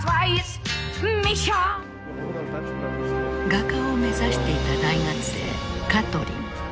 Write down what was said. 画家を目指していた大学生カトリン。